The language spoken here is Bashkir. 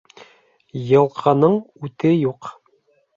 Йылҡының үте юҡ.